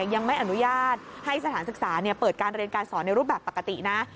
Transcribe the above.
ยังไม่อนุญาตให้สถานศึกษาเปิดการเรียนการสอนในรูปแบบปกตินะ